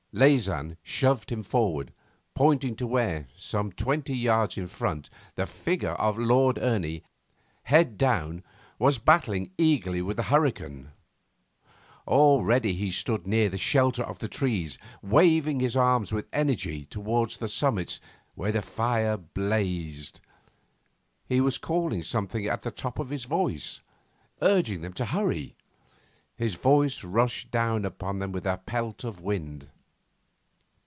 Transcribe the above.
Leysin shoved him forward, pointing to where, some twenty yards in front, the figure of Lord Ernie, head down, was battling eagerly with the hurricane. Already he stood near to the shelter of the trees waving his arms with energy towards the summits where the fire blazed. He was calling something at the top of his voice, urging them to hurry. His voice rushed down upon them with a pelt of wind.